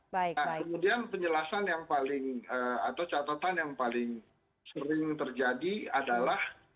nah kemudian penjelasan yang paling atau catatan yang paling sering terjadi adalah